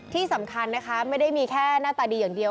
ที่สำคัญนะคะไม่ได้มีแค่หน้าตาดีอย่างเดียว